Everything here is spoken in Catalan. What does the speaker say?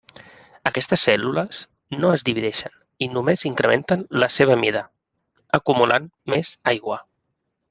Aquestes cèl·lules no es divideixen i només incrementen la seva mida, acumulant més aigua.